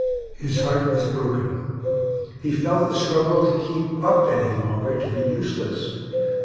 His heart was broken. He felt the struggle to keep up any longer to be useless.